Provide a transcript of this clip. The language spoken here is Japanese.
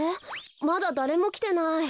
まだだれもきてない。